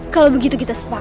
kalau begitu kita sepakat